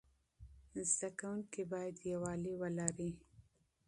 زده کوونکي باید یووالی ولري.